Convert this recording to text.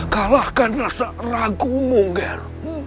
kalahkan rasa ragumu ger